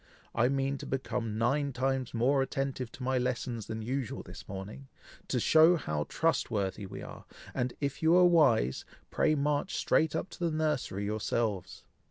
I mean to become nine times more attentive to my lessons than usual this morning, to show how trust worthy we are, and if you are wise, pray march straight up to the nursery yourselves.